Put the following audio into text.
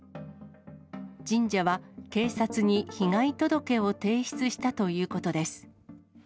神社は警察に被害届を提出したということです。